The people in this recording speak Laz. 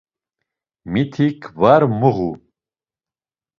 Mitik var muğu.